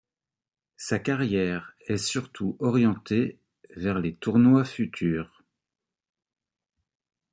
Sa carrière est surtout orientée vers les tournois Future.